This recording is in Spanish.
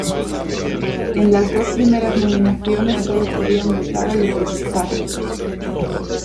En las dos primeras nominaciones solo podían votar a los de sus casas.